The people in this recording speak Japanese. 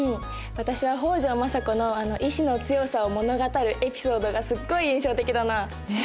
私は北条政子のあの意志の強さを物語るエピソードがすっごい印象的だな。ね。